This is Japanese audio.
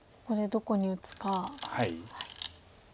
ここでどこに打つか。